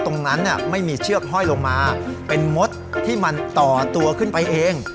ไม่มีเชือกห้อยลงมาเป็นมดที่มันต่อตัวขึ้นไปเอง